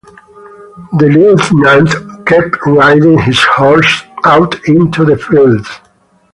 The lieutenant kept riding his horse out into the fields.